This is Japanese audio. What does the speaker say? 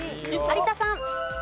有田さん。